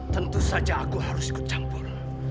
tentu saja aku harus ikut campur